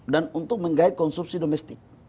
dan untuk menggait konsumsi domestik